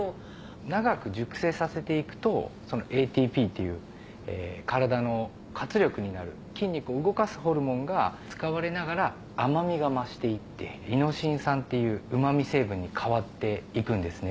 長く熟成させていくとＡＴＰっていう体の活力になる筋肉を動かすホルモンが使われながら甘みが増していってイノシン酸っていううま味成分に変わっていくんですね。